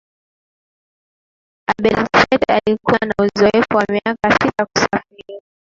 abelset alikuwa na uzoefu wa miaka sita ya kusafiri